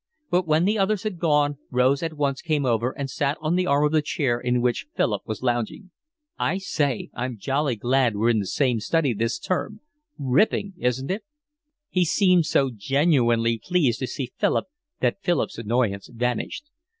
But when the others had gone Rose at once came over and sat on the arm of the chair in which Philip was lounging. "I say, I'm jolly glad we're in the same study this term. Ripping, isn't it?" He seemed so genuinely pleased to see Philip that Philip's annoyance vanished.